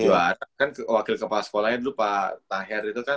iya kan wakil kepala sekolahnya dulu pak tahir itu kan